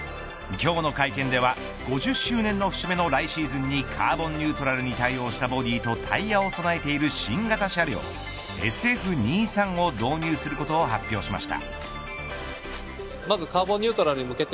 今日の会見では５０周年の節目の来シーズンにカーボンニュートラルに対応したボディーとタイヤを備えている新型車両、ＳＦ２３を導入することを発表しました。